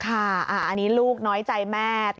ค่ะอันนี้ลูกน้อยใจแม่